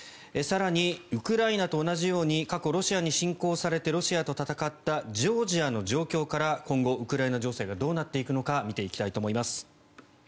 更に、ウクライナと同じように過去、ロシアに侵攻されてロシアと戦ったジョージアの状況から今後、ウクライナ情勢がどうなっていくのか見ていきたいと思います。